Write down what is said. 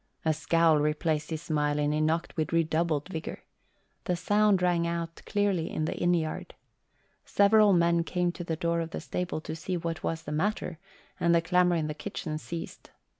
A scowl replaced his smile and he knocked with redoubled vigour. The sound rang out clearly in the inn yard. Several men came to the door of the stable to see what was the matter and the clamour in the kitchen ceased.